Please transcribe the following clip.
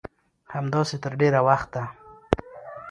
همداسې تر ډېره وخته